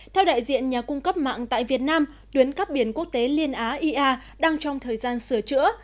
theo đại diện nhà cung cấp mạng tại việt nam tuyến cắp biển quốc tế liên á ia đang trong thời gian sửa chữa